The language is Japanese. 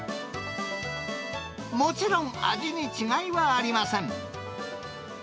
もちろん味に違いはありません。